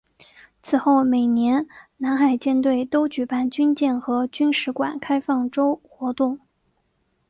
此后每年南海舰队都举办军舰和军史馆开放周活动。